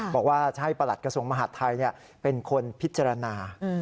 บอกว่าจะให้ประหลัดกระทรวงมหาดไทยเป็นคนพิจารณา